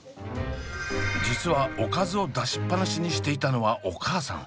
実はおかずを出しっぱなしにしていたのはお母さん。